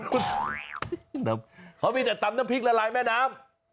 คุณเขามีแต่ตำน้ำพริกละลายแม่น้ำ